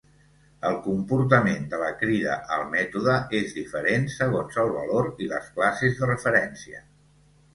El comportament de la crida al mètode és diferent segons el valor i les classes de referència.